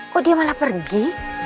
kok dia malah pergi